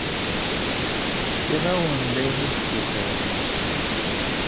Fkiɣ-awen-d ayen i d-tessutrem.